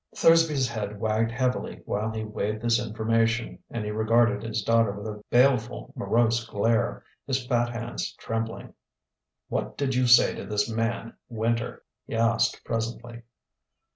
Thursby's head wagged heavily while he weighed this information, and he regarded his daughter with a baleful, morose glare, his fat hands trembling. "What did you say to this man, Winter?" he asked presently.